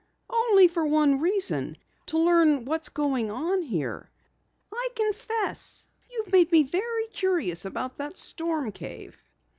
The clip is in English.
"Only for one reason. To learn what's going on here. I confess you've made me very curious about the storm cave."